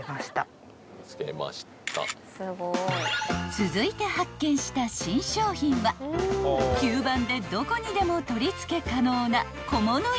［続いて発見した新商品は吸盤でどこにでも取り付け可能な小物入れ］